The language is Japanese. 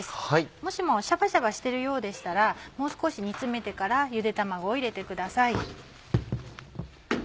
もしもシャバシャバしてるようでしたらもう少し煮詰めてからゆで卵を入れてください。